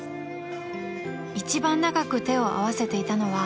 ［一番長く手を合わせていたのは］